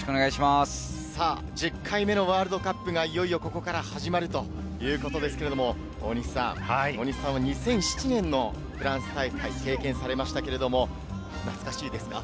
１０回目のワールドカップがいよいよここから始まるということですけれども、大西さんは２００７年のフランス大会、経験されましたけれども、懐かしいですか？